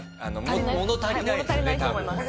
物足りないですよね